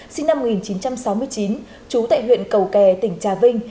sinh năm một nghìn chín trăm sáu mươi chín trú tại huyện cầu kè tỉnh trà vinh